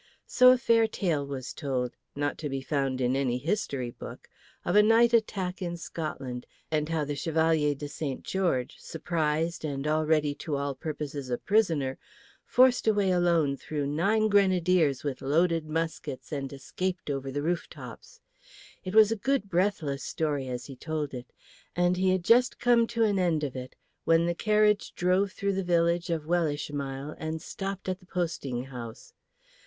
So a fair tale was told, not to be found in any history book, of a night attack in Scotland and how the Chevalier de St. George, surprised and already to all purposes a prisoner, forced a way alone through nine grenadiers with loaded muskets and escaped over the roof tops. It was a good breathless story as he told it, and he had just come to an end of it when the carriage drove through the village of Wellishmile and stopped at the posting house.